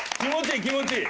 気持ちいい！